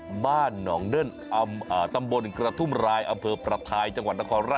เอออยากให้คุณเต้นดูเหมือนกันท่านนี้นะ